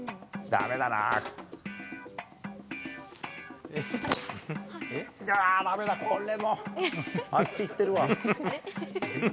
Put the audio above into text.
だめだ、これも、あっち行ってるわ。